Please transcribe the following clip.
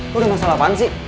lo udah masalah apaan sih